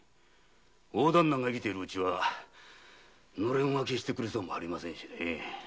大旦那が生きてるうちは「ノレン分け」してくれそうもありませんしね。